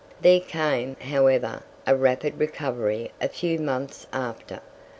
There came, however, a rapid recovery a few months after.